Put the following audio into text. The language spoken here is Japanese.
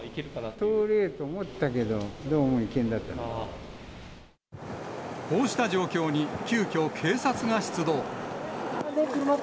通れると思ったけど、どうもこうした状況に、急きょ、警察が出動。